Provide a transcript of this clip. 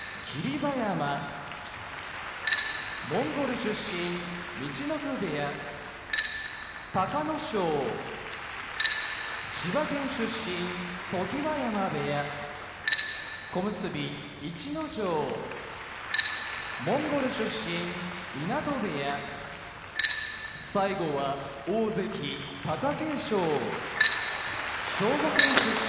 馬山モンゴル出身陸奥部屋隆の勝千葉県出身常盤山部屋小結・逸ノ城モンゴル出身湊部屋大関・貴景勝兵庫県出身